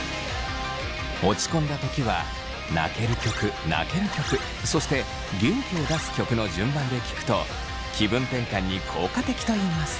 落ち込んだ時は泣ける曲泣ける曲そして元気を出す曲の順番で聴くと気分転換に効果的といいます。